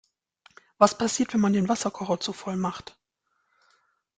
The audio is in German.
Was passiert, wenn man den Wasserkocher zu voll macht?